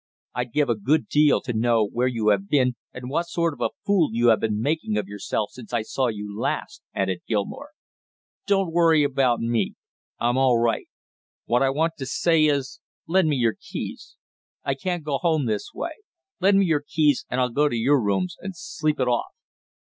I'd give a good deal to know where you have been and what sort of a fool you have been making of yourself since I saw you last!" added Gilmore. "Don't you worry about me; I'm all right. What I want to say is, lend me your keys; I can't go home this way lend me your keys and I'll go to your rooms and sleep it off."